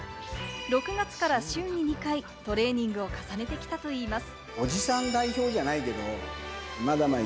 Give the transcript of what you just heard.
６月から週に２回、トレーニングを重ねてきたといいます。